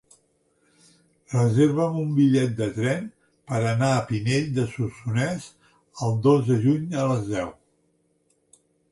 Reserva'm un bitllet de tren per anar a Pinell de Solsonès el dos de juny a les deu.